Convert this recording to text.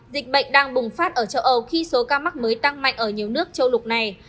dịch bệnh đang bùng phát ở châu âu khi số ca mắc mới tăng mạnh ở nhiều nước châu lục này